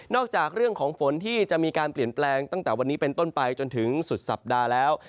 จากเรื่องของฝนที่จะมีการเปลี่ยนแปลงตั้งแต่วันนี้เป็นต้นไปจนถึงสุดสัปดาห์แล้ว